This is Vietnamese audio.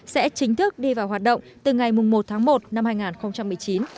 sẽ chính thức đi vào hoạt động từ ngày một tháng một năm hai nghìn một mươi chín